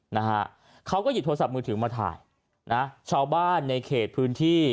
นะฮะเขาก็หยิบโทรศัพท์มือถือมาถ่ายนะชาวบ้านในเขตพื้นที่